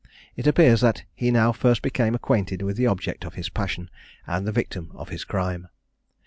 It appears that he now first became acquainted with the object of his passion, and the victim of his crime.